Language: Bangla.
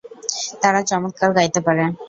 তারা চমৎকার গাইতে পারে।